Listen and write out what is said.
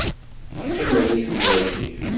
Teqqim rrif n wasif.